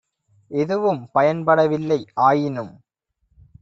எதுவும் பயன்பட வில்லை ஆயினும்